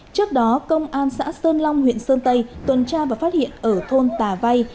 trước đó công an xã sơn long huyện sơn tây tuần tra và phát hiện ở thôn tà vay